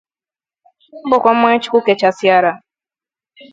ọ bụkwa mmanya chukwu kechasịara